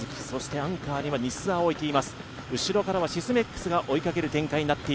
アンカーには西澤をおいています。